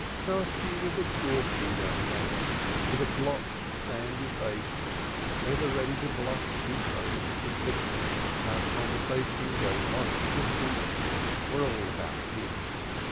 Shosshi was a gawky young man with a blotched sandy face ever ready to blush deeper with the suspicion that conversations going on at a distance were all about him.